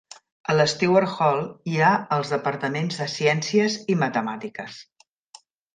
A la Stewart Hall hi ha els departaments de ciències i matemàtiques.